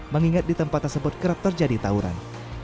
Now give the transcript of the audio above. mengingat di tempat tersebut kerap terjadi tawuran